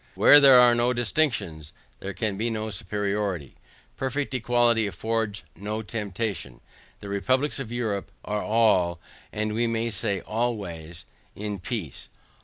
Where there are no distinctions there can be no superiority, perfect equality affords no temptation. The republics of Europe are all (and we may say always) in peace.